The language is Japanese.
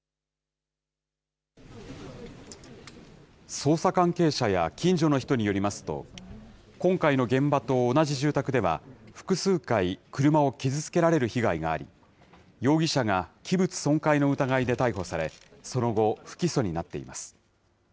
捜査関係者や近所の人によりますと、今回の現場と同じ住宅では、複数回、車を傷つけられる被害があり、容疑者が器物損壊の疑いで逮捕され、その後、不起訴になっています。